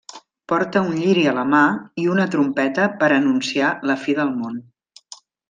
Porta un lliri a la mà i una trompeta per anunciar la fi del Món.